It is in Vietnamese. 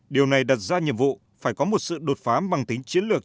điều này đặt ra nhiệm vụ phải có một sự đột phá bằng tính chiến lược